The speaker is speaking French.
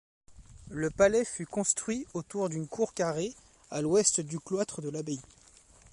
Le palais fut construit autour d’une cour carrée, à l’ouest du cloître de l’abbaye.